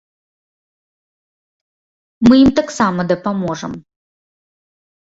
Мы ім таксама дапаможам.